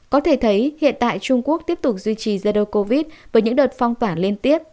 có thể thấy hiện tại trung quốc tiếp tục duy trì giai đoạn covid với những đợt phong tỏa liên tiếp